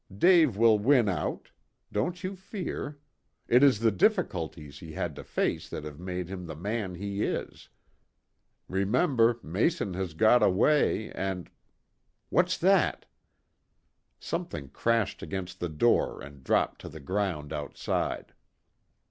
Dave will win out. Don't you fear. It is the difficulties he has had to face that have made him the man he is. Remember Mason has got away, and What's that?" Something crashed against the door and dropped to the ground outside.